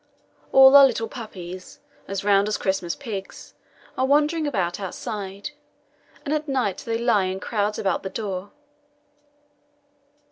All our little puppies as round as Christmas pigs are wandering about outside, and at night they lie in crowds about the door.